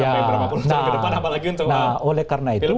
sampai berapa puluh tahun ke depan apalagi untuk